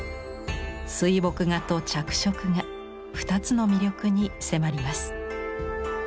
水墨画と着色画２つの魅力に迫ります。